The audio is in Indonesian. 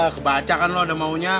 kebacakan lu udah maunya